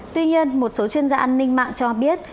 tuy nhiên một số chuyên gia an ninh mạng cho biết